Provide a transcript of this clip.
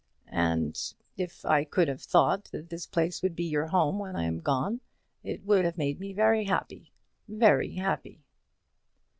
"And if I could have thought that this place would be your home when I am gone, it would have made me very happy; very happy."